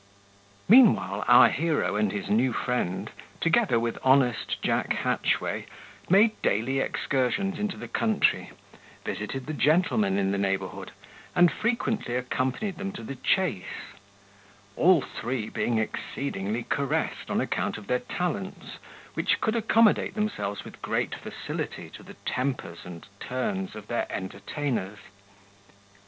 Meanwhile our hero and his new friend, together with honest Jack Hatchway, made daily excursions into the country, visited the gentlemen in the neighbourhood, and frequently accompanied them to the chase; all three being exceedingly caressed on account of their talents, which could accommodate themselves with great facility to the tempers and turns of their entertainers.